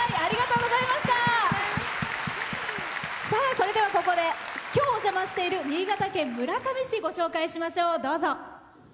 それでは、ここで今日、お邪魔している新潟県村上市、ご紹介しましょう。